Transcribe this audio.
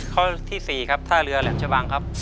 ข้อที่๔ครับท่าเรือแหลมชะบังครับ